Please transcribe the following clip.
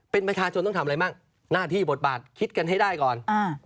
เป็นประชาชนต้องทำอะไรมั่งหน้าที่บทบาทคิดกันให้ได้ก่อน